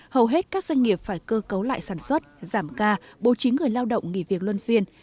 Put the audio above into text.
hầu hết các doanh nghiệp phải cơ cấu lại sản xuất giảm ca bố trí người lao động nghỉ việc luân phiên